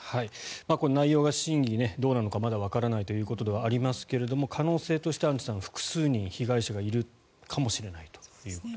この内容が真偽、どうなのかまだわからないということではありますが可能性として複数人、被害者がいるかもしれないということですね。